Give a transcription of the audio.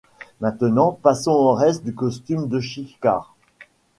Maintenant passons au reste du costume de Chicard.